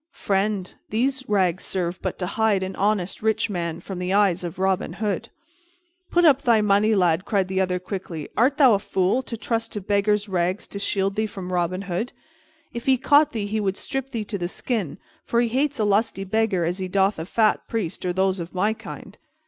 "Friend, these rags serve but to hide an honest rich man from the eyes of Robin Hood." "Put up thy money, lad," cried the other quickly. "Art thou a fool, to trust to beggar's rags to shield thee from Robin Hood? If he caught thee, he would strip thee to the skin, for he hates a lusty beggar as he doth a fat priest or those of my kind."